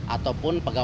ataupun pegawai negara